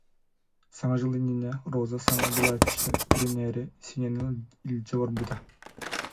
Саҥа дьыл иннинэ Роза саҥа былааччыйа көрүнээри, Сеняны илдьэ барбыта